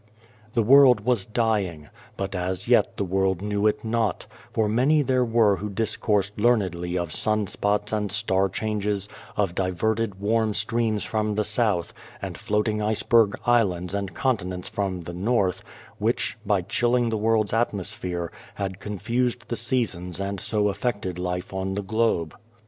The world was dying, but as yet the world knew it not, for many there were who discoursed learnedly of sun spots and star changes, of 268 A World Without a Child diverted warm streams from the south, and floating iceberg islands and continents from the north, which, by chilling the world's atmo sphere, had confused the seasons and so affected life on the globe.